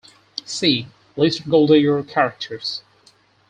"See: List of Gold Digger characters"